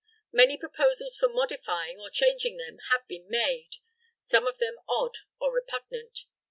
Many proposals for modifying or changing them have been made, some of them odd or repugnant.